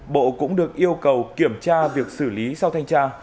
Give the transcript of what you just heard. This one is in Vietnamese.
bộ cũng được yêu cầu kiểm tra việc xử lý sau thanh tra